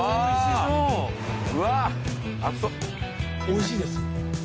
おいしいです。